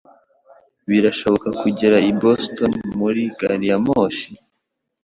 Birashoboka kugera i Boston muri gari ya moshi?